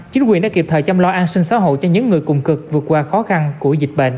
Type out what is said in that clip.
chính quyền đã kịp thời chăm lo an sinh xã hội cho những người cùng cực vượt qua khó khăn của dịch bệnh